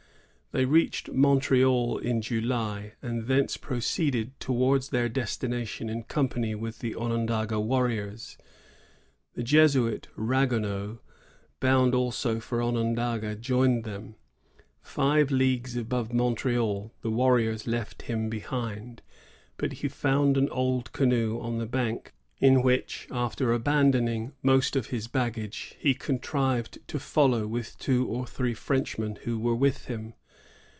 They reached Montreal in July, and thence proceeded towards their destina tion in company with the Onondaga warriors. The Jesuit Ragueneau, bound also for Onondaga, joined them. Five leagues above Montreal, the warriors 1657.] ONONDAGA TREACHERY. 87 left him behind; but he found an old canoe on the bank, in which, after abandoning most of his bag gage, he contriyed to follow with two or three Frenchmen who were with him.